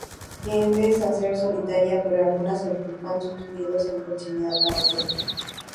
Tienden a ser solitarias, pero algunas agrupan sus nidos en proximidad a otros.